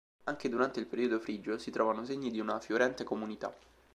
Anche durante il periodo frigio si trovano segni di una fiorente comunità.